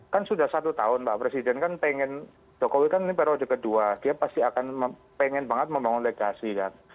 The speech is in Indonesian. kan sudah satu tahun pak presiden kan pengen jokowi kan ini periode kedua dia pasti akan pengen banget membangun legasi kan